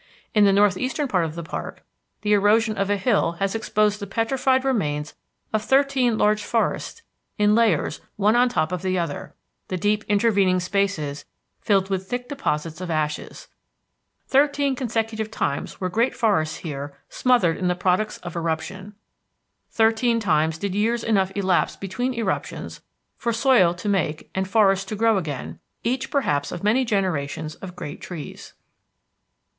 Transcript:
In the northeastern part of the park the erosion of a hill has exposed the petrified remains of thirteen large forests in layers one on top of the other, the deep intervening spaces filled with thick deposits of ashes. Thirteen consecutive times were great forests here smothered in the products of eruption. Thirteen times did years enough elapse between eruptions for soil to make and forests to grow again, each perhaps of many generations of great trees.